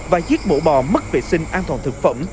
và giết mổ bò mất vệ sinh an toàn thực phẩm